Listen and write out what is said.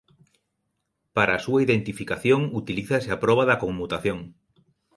Para a súa identificación utilízase a proba da conmutación.